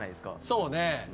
そうね。